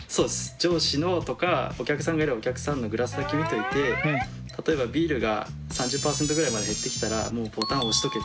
上司のとかお客さんがいればお客さんのグラスだけ見といて例えばビールが３０％ぐらいまで減ってきたらもうボタン押しとけ。